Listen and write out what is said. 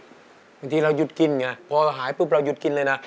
อเจมส์บางทีเรายุดกินไงพอหายปุ๊บเรายุดกินเลยนะ